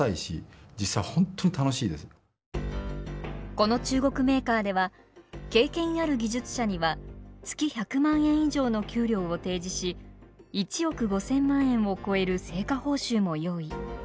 この中国メーカーでは経験ある技術者には月１００万円以上の給料を提示し１億５，０００万円を超える成果報酬も用意。